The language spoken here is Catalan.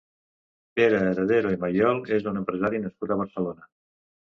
Pere Heredero i Mayol és un empresari nascut a Barcelona.